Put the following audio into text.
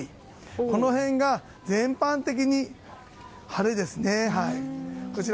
この辺が、全般的に晴れですね。